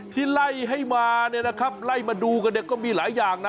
ที่ไล่ให้มานะครับไล่มาดูกันก็มีหลายอย่างนะ